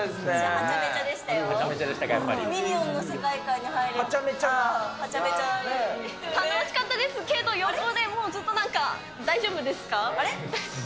はちゃめちゃでしたか、ミニオンの世界観に入れて、楽しかったですけど、横でもうずっと、なんかもう、大丈夫ですか？